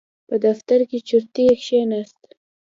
په دفتر کې چورتي کېناست.